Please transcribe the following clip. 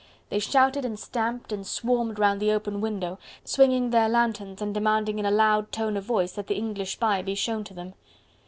They shouted and stamped and swarmed round the open window, swinging their lanthorns and demanding in a loud tone of voice that the English spy be shown to them.